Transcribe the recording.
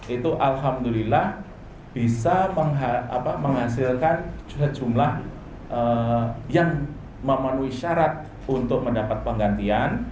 itu alhamdulillah bisa menghasilkan sejumlah yang memenuhi syarat untuk mendapat penggantian